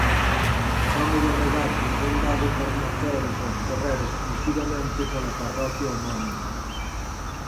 O nome do regato ven dado por nacer e transcorrer exclusivamente pola parroquia homónima.